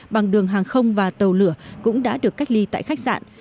bằng đường hàng không và tàu lửa cũng đã được cách ly tại khách sạn